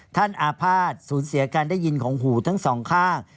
อาภาษณ์สูญเสียการได้ยินของหูทั้งสองข้าง